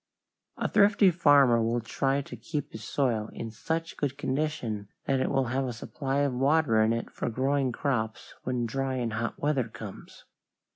A thrifty farmer will try to keep his soil in such good condition that it will have a supply of water in it for growing crops when dry and hot weather comes.